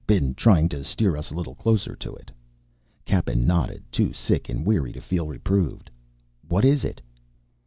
"Been trying to steer us a little closer to it." Cappen nodded, too sick and weary to feel reproved. "What is it?"